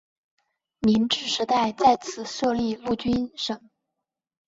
明治时代在此设立陆军省。